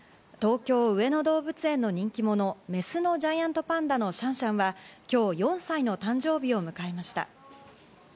東京・上野動物園の人気者、メスのジャイアントパンダのシャンシャンは今日４歳の誕生日を迎えました。